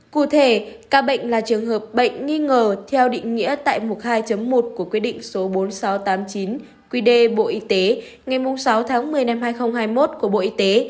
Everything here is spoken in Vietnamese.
cụ thể ca bệnh là trường hợp bệnh nghi ngờ theo định nghĩa tại mục hai một của quy định số bốn nghìn sáu trăm tám mươi chín qd bộ y tế ngày sáu tháng một mươi năm hai nghìn hai mươi một của bộ y tế